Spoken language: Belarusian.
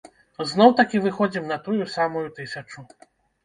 Зноў-такі выходзім на тую самую тысячу.